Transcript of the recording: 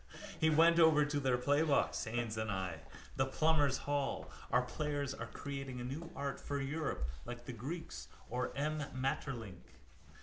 We went over to their playbox, Haines and I, the plumbers' hall. Our players are creating a new art for Europe like the Greeks or M. Maeterlinck.